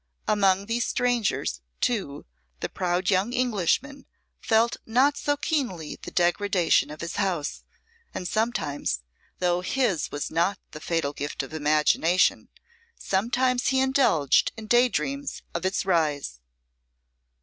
Among these strangers, too, the proud young Englishman felt not so keenly the degradation of his house; and sometimes, though his was not the fatal gift of imagination, sometimes he indulged in day dreams of its rise.